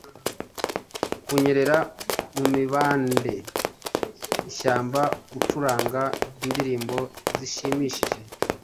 Kunyerera mu mibande ishyamba Gucuranga indirimbo zishimishije,